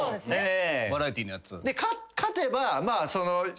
バラエティーのやつ。